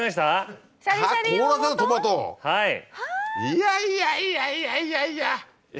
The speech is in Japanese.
いやいやいやいやいやいや！